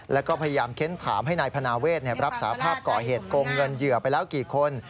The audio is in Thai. แล้วก็พยายามเค้นถามให้นายพนาเวทรับสาภาพก่อเหตุโกงเงินเหยื่อไปแล้วกี่คน